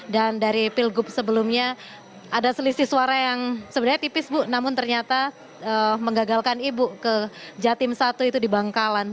dan dari pilgub sebelumnya ada selisih suara yang sebenarnya tipis bu namun ternyata menggagalkan ibu ke jatim satu itu di bangkalan